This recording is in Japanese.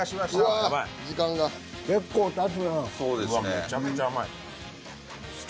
めちゃめちゃ甘い。